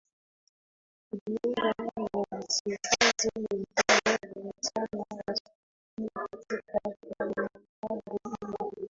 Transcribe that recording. Kujiunga na wachezaji wengine wa vijana wa Sporting katika klabu hiyo